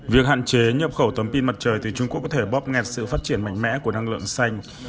việc hạn chế nhập khẩu tấm pin mặt trời từ trung quốc có thể bóp nghẹt sự phát triển mạnh mẽ của năng lượng xanh